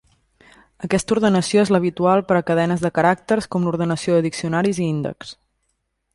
Aquesta ordenació és l'habitual per a cadenes de caràcters, com l'ordenació de diccionaris i índexs.